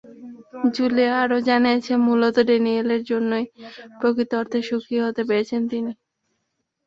Julia আরও জানিয়েছেন, মূলত ড্যানিয়েলের জন্যই প্রকৃত অর্থে সুখী হতে পেরেছেন তিনি।